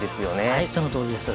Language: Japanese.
はいそのとおりです。